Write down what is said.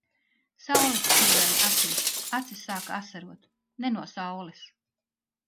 Saule spīdēja acīs. Acis sāka asarot. Ne no saules.